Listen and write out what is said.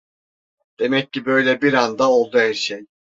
Demek ki böyle bir anda oldu herşey.